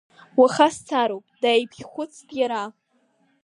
Уаха сцароуп, дааиԥхьхәыцт иара.